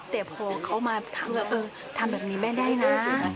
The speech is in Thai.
แต่พอเขามาทำแบบเออทำแบบนี้แม่ได้นะ